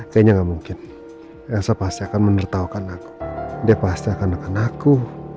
kayaknya gak mungkin elsa pasti akan menertawakan aku dia pasti akan dekan aku